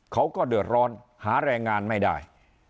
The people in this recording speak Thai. เขาก็เดือดร้อนหาแรงงานไม่ได้